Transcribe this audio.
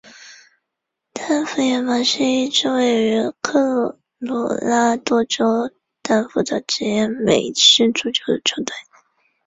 丹佛野马是一支位于科罗拉多州丹佛的职业美式足球球队。